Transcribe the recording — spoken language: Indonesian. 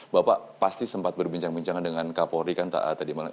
bapak pasti sempat berbincang bincang dengan kapolri kan tadi malam